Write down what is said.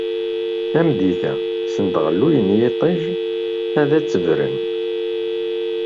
Tameddit-a, send aɣelluy n yiṭij ad d-tebren.